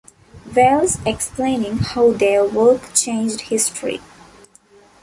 Wells, explaining how their work changed history.